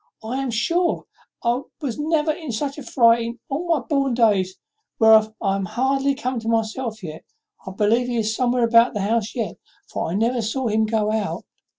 I am sure I was never in such a fright in my born days, whereof I am hardly come to myself yet. I believe he is somewhere about the house yet, for I never saw him go out."